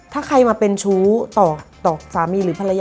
ถ้าใครมาเป็นชู้ต่อสามีหรือเป็นผู้ชู้